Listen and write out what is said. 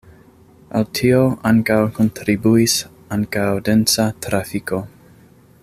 Al tio ankaŭ kontribuis ankaŭ densa trafiko.